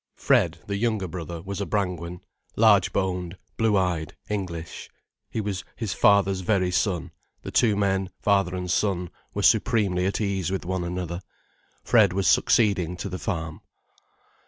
Fred, the younger brother, was a Brangwen, large boned, blue eyed, English. He was his father's very son, the two men, father and son, were supremely at ease with one another. Fred was succeeding to the farm.